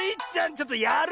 ちょっとやるな！